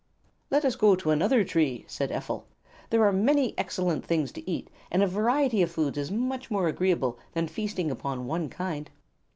"Let us go to another tree," said Ephel. "There are many excellent things to eat, and a variety of food is much more agreeable than feasting upon one kind."